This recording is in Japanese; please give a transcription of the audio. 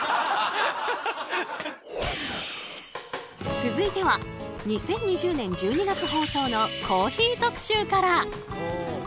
続いては２０２０年１２月放送のコーヒー特集から。